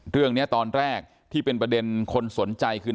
เรื่องนี้ตอนแรกที่เป็นประเด็นคนสนใจคือ